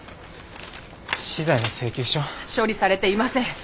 資材の請求書？処理されていません。